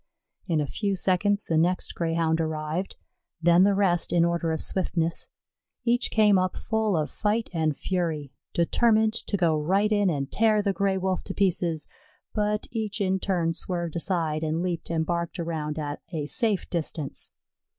In a few seconds the next Greyhound arrived, then the rest in order of swiftness. Each came up full of fight and fury, determined to go right in and tear the Gray wolf to pieces; but each in turn swerved aside, and leaped and barked around at a safe distance.